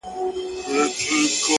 پر دغه لار که مي قدم کښېښود پاچا به سم”